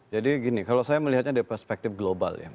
jadi gini kalau saya melihatnya dari perspektif global ya